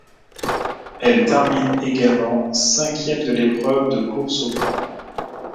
Elle termine également cinquième de l'épreuve de course aux points.